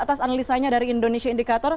atas analisanya dari indonesia indikator